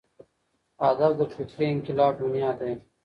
ادب د فکري انقلاب بنیاد دی.